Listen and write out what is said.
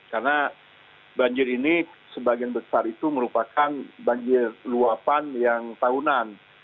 karena banjir ini sebagian besar itu merupakan banjir luapan yang tahunan